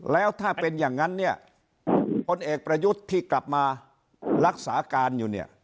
แล้วถ้าเป็นอย่างนั้นเนี่ยพลเอกประยุทธ์ที่กลับมารักษาการอยู่เนี่ย